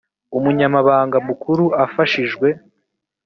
umunyamabanga mukuru afashijwe